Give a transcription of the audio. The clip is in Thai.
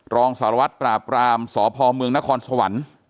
รองสารวัตรปราบรามสพเมืองนครสวรรค์